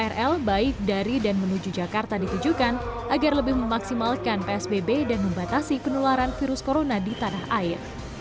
krl baik dari dan menuju jakarta ditujukan agar lebih memaksimalkan psbb dan membatasi penularan virus corona di tanah air